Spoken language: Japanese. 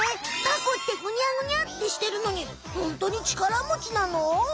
タコってグニャグニャってしてるのにホントにちから持ちなの？